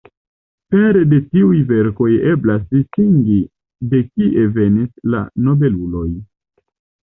Pere de tiuj verkoj eblas distingi de kie venis la nobeluloj.